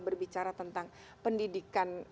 berbicara tentang pendidikan